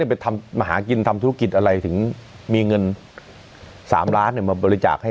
ไปทำมาหากินทำธุรกิจอะไรถึงมีเงิน๓ล้านมาบริจาคให้